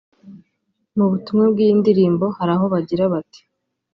Mu butumwa bw’iyi ndirimbo hari aho bagira bati